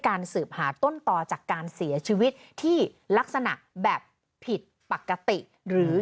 สืบหาต้นต่อจากการเสียชีวิตที่ลักษณะแบบผิดปกติหรือ